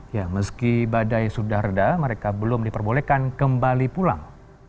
ya meski badai sudah reda mereka belum diperbolehkan kembali pulang